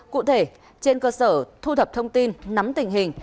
cụ thể trên cơ sở thu thập thông tin nắm tình hình